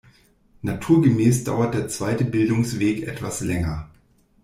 Naturgemäß dauert der zweite Bildungsweg etwas länger.